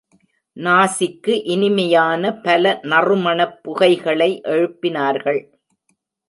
நாசிக்கு இனிமையான பல நறுமணப் புகைகளை எழுப்பினார்கள்.